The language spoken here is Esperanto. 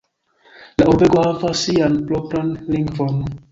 La urbego havas sian propran lingvon.